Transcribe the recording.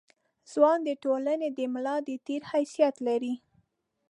ځوان د ټولنې د ملا د تیر حیثیت لري.